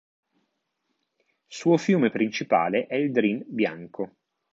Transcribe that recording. Suo fiume principale è il Drin Bianco.